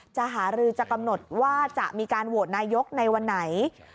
จะหารือจะกำหนดว่าจะมีการโหวตนายกในวันไหน